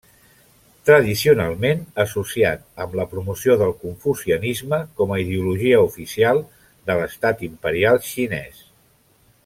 Tradicionalment associat amb la promoció del confucianisme com a ideologia oficial de l'estat imperial xinès.